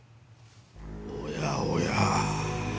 おやおや。